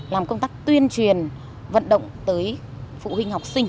làm công tác tuyên truyền vận động tới phụ huynh học sinh